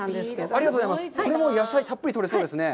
これは野菜をたっぷり取れそうですね。